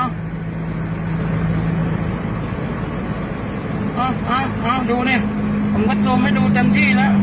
เอาเอาเอาดูเนี่ยผมก็ซูมให้ดูเต็มที่แล้วนะ